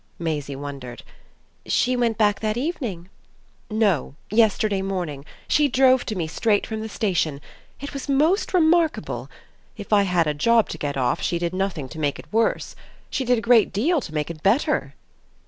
Maisie wondered. "She went back that evening?" "No; yesterday morning. She drove to me straight from the station. It was most remarkable. If I had a job to get off she did nothing to make it worse she did a great deal to make it better."